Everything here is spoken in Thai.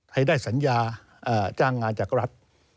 ให้ได้สัญญาจ้างงานจากรัฐ